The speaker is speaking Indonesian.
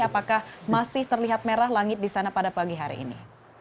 apakah masih terlihat merah langit di sana pada pagi hari ini